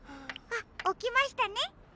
あっおきましたね。